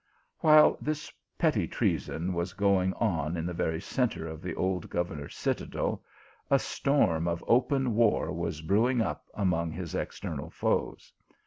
While this petty treason was going on in the very centre of the old governor s citadel, a storm of open war was brewing up among his external foes.